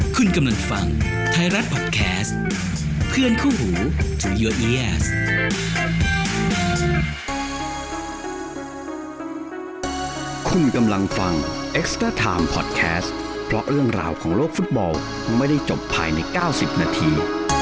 คุณกำลังฟังไทยรัฐพอดแคสต์เพื่อนคู่หูที่คุณกำลังฟังพอดแคสต์เพราะเรื่องราวของโลกฟุตบอลไม่ได้จบภายใน๙๐นาที